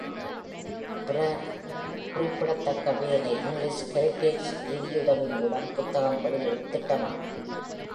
பிற குறிப்பிடத்தக்க வேலை English Heritage நிதியுதவி மூலம் புத்தகம் வெளியிடும் திட்டமாகும்.